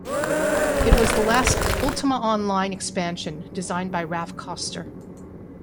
It was the last "Ultima Online" expansion designed by Raph Koster.